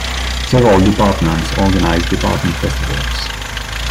Several departments organize department festivals.